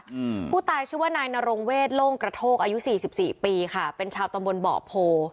อืมผู้ตายชื่อว่านายนรงเวทโล่งกระโทกอายุสี่สิบสี่ปีค่ะเป็นชาวตำบลบ่อโพ